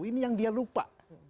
ini yang dia lupa